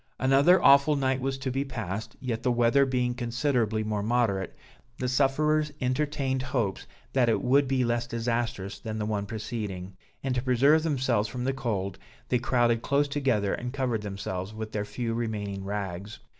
Another awful night was to be passed, yet the weather being considerably more moderate, the sufferers entertained hopes that it would be less disastrous than the one preceding; and to preserve themselves from the cold, they crowded close together and covered themselves with their few remaining rags.